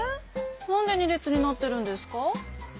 なんで２れつになってるんですか？